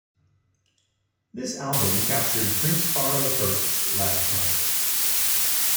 This album captured Prince Far the First's last concert.